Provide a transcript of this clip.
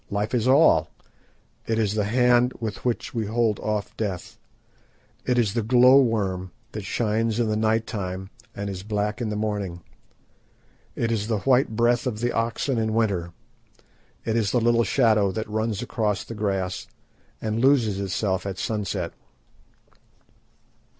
Life is all. It is the Hand with which we hold off Death. It is the glow worm that shines in the night time and is black in the morning; it is the white breath of the oxen in winter; it is the little shadow that runs across the grass and loses itself at sunset."